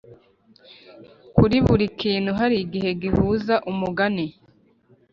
kuri buri kintu hari igihe gihuza umugani